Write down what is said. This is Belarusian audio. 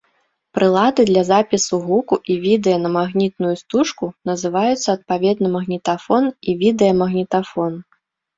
Прылады для запісу гуку і відэа на магнітную стужку называюцца адпаведна магнітафон і відэамагнітафон.